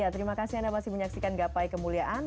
terima kasih anda masih menyaksikan gapai kemuliaan